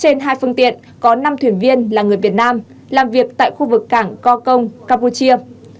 trên hai phương tiện có năm thuyền viên là người việt nam làm việc tại khu vực cảng co công campuchia